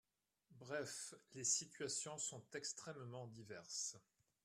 Bref, les situations sont extrêmement diverses.